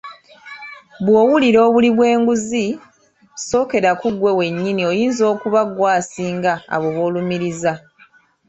Bwowulira obuli bwenguzi sookera ku ggwe wennyini oyinza okuba gwe asinga abo boolumiriza.